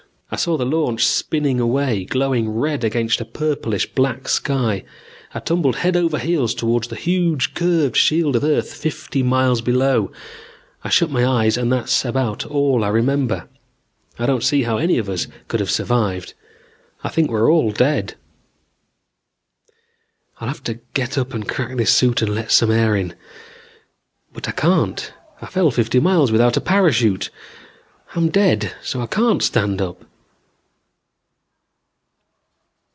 "I saw the launch spinning away, glowing red against a purplish black sky. I tumbled head over heels towards the huge curved shield of earth fifty miles below. I shut my eyes and that's about all I remember. I don't see how any of us could have survived. I think we're all dead. "I'll have to get up and crack this suit and let some air in. But I can't. I fell fifty miles without a parachute. I'm dead so I can't stand up."